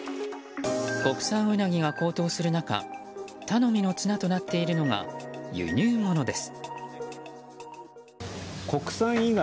国産ウナギが高騰する中頼みの綱となっているのが輸入物です。